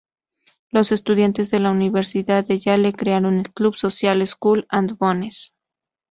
Los estudiantes de la Universidad de Yale crearon el club social Skull and Bones.